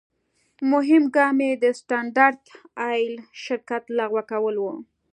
مهم ګام یې د سټنډرد آیل شرکت لغوه کول و.